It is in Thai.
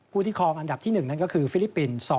ที่คลองอันดับที่๑นั่นก็คือฟิลิปปินส์